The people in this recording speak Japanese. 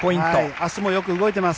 足もよく動いています。